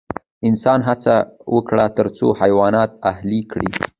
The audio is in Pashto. انسان هڅه وکړه تر څو حیوانات اهلي کړي.